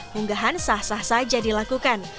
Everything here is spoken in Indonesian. munggahan sah sah saja dilakukan